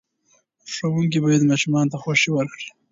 ښوونکي باید ماشوم ته خوښۍ ورکړي.